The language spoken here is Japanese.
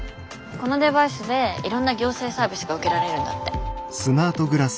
このデバイスでいろんな行政サービスが受けられるんだって。